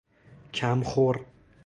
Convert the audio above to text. کمخور